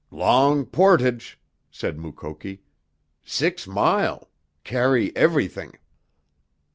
"Long portage," said Mukoki. "Six mile. Carry everything."